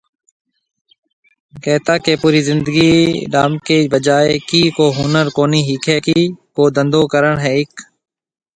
ڪهتا ڪي پوري زندگي ڊانبڪي بجائي ڪي ڪو هُنر ڪونهي ۿيکي ڪي، ڪو ڌنڌو ڪرڻ ۿيک